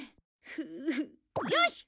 よし！